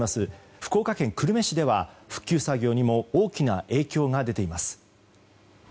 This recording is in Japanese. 福岡県久留米市では復旧作業にも大きな影響が出ています。